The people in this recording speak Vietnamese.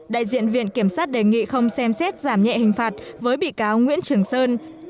đại diện viện kiểm sát đề nghị không xem xét giảm nhẹ hình phạt với bị cáo nguyễn trường sơn